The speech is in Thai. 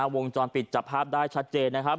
วงจรปิดจับภาพได้ชัดเจนนะครับ